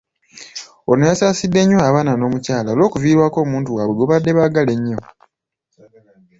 Ono yasaasidde nnyo abaana n'omukyala olw'okuviirwako omuntu waabwe gwebabadde baagala ennyo.